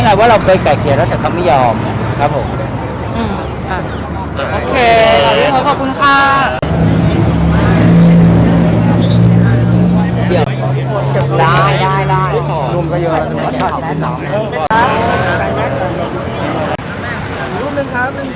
สวัสดีครับทุกคน